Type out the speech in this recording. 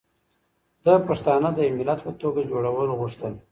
ده پښتانه د يو ملت په توګه جوړول غوښتل